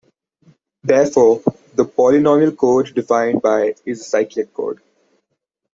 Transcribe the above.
Therefore, the polynomial code defined by is a cyclic code.